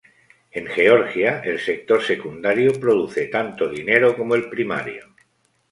En Georgia el sector secundario produce tanto dinero como el primario.